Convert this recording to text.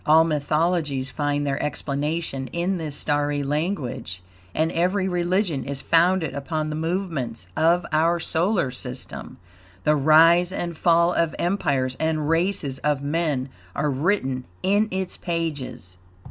All mythologies find their explanation in this starry language, and every religion is founded upon the movements of our solar system. The rise and fall of empires and races of men are written in its pages.